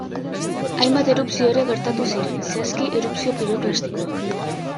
Hainbat erupzio ere gertatu ziren, zehazki, erupzio piroklastikoak.